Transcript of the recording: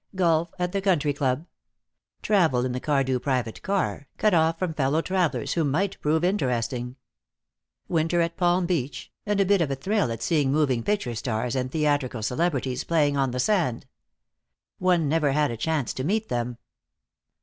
Golf at the country club. Travel, in the Cardew private car, cut off from fellow travelers who might prove interesting. Winter at Palm Beach, and a bit of a thrill at seeing moving picture stars and theatrical celebrities playing on the sand. One never had a chance to meet them.